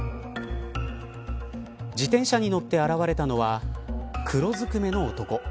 自転車に乗って現れたのは黒ずくめの男。